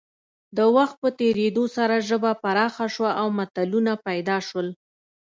د وخت په تېرېدو سره ژبه پراخه شوه او متلونه پیدا شول